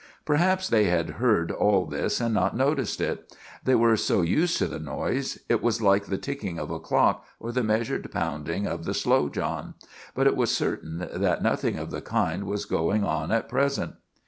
Perhaps they had heard all this and not noticed it. They were so used to the noise; it was like the ticking of a clock or the measured pounding of the Slow John; but it was certain that nothing of the kind was going on at present.